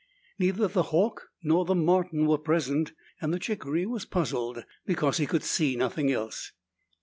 Neither the hawk nor the marten were present, and the chickaree was puzzled because he could see nothing else.